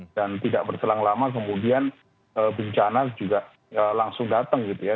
dan tidak berselang lama kemudian bencana juga langsung datang gitu ya